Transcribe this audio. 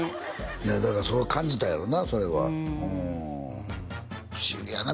いやだからそう感じたんやろうなそれは不思議やな